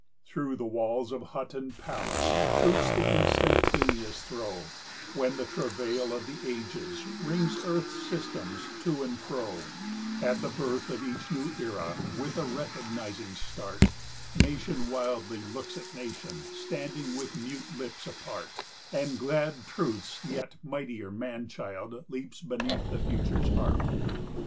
5 Through the walls of hut and palace shoots the instantaneous throe, When the travail of the Ages wrings earth's systems to and fro; At the birth of each new Era, with a recognizing start, Nation wildly looks at nation, standing with mute lips apart, And glad Truth's yet mightier man child leaps beneath the Future's heart.